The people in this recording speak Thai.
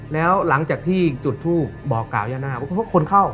แล้วหลังจากที่จุดทูปบอกกล่าวย่านาคว่าคนเข้า